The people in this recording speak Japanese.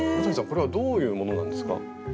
これはどういうものなんですか？